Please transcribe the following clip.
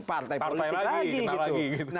partai politik lagi